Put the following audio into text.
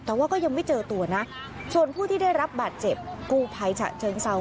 แต่ว่าก็ยังไม่เจอตัวนะส่วนผู้ที่ได้รับบาดเจ็บกู้ภัยฉะเชิงเศร้า